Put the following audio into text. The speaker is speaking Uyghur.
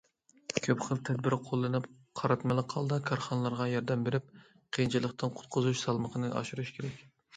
كۆپ خىل تەدبىر قوللىنىپ، قاراتمىلىق ھالدا كارخانىلارغا ياردەم بېرىپ، قىيىنچىلىقتىن قۇتقۇزۇش سالمىقىنى ئاشۇرۇش كېرەك.